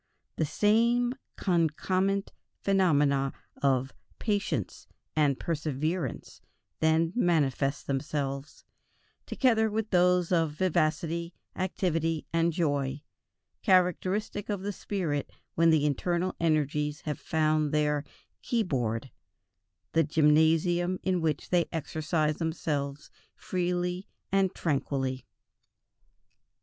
The same concomitant phenomena of "patience" and "perseverance" then manifest themselves, together with those of vivacity, activity, and joy, characteristic of the spirit when the internal energies have found their keyboard, the gymnasium in which they exercise themselves freely and tranquilly.